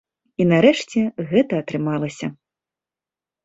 І нарэшце гэта атрымалася.